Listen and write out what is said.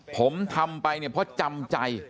ผมทำไปเนี่ยเพราะจำใจ